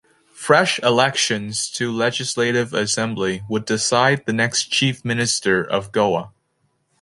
Fresh elections to Legislative Assembly would decide the next Chief Minister of Goa.